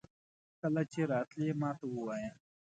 چې کله راتلې ماته وایه.